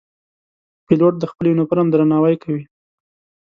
پیلوټ د خپل یونیفورم درناوی کوي.